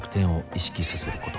「意識させること」